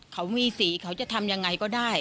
เขามีสีเขาจะทำยังไงก็ได้